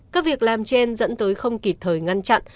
các việc làm trên dẫn tới không kịp thời ngăn chặn